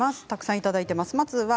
たくさんいただいています。